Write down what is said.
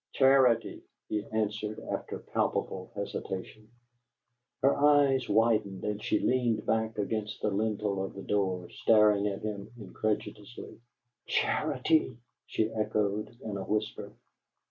"Charity," he answered, after palpable hesitation. Her eyes widened and she leaned back against the lintel of the door, staring at him incredulously. "Charity!" she echoed, in a whisper.